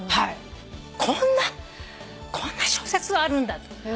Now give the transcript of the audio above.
こんなこんな小説あるんだと思った。